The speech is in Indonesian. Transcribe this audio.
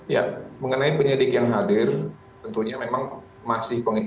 ya mengenai penyidik yang hadir tentunya memang masih